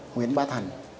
nguyễn bá thành